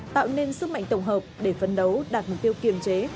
tạo nên sức mạnh tổng hợp để phấn đấu đạt mục tiêu kiềm chế